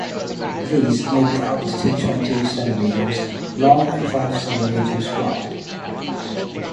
These may be up to twenty centimetres long and five centimetres wide.